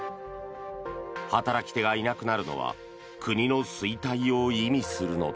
働き手がいなくなるのは国の衰退を意味するのだ。